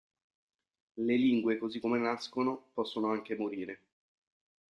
Le lingue così come nascono, possono anche morire.